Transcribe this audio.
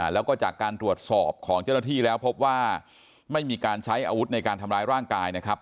แล้วก็จากการตรวจสอบของเจ้าหน้าที่แล้วพบว่าไม่มีการใช้อาวุธในการทำร้ายร่างกายนะครับ